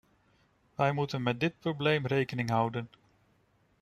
Wij moeten met dit probleem rekening houden.